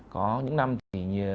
có những năm thì